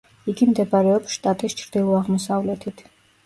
იგი მდებარეობს შტატის ჩრდილო-აღმოსავლეთით.